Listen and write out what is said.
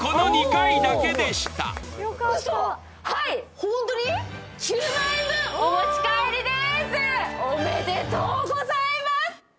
ホントに！？おめでとうございます！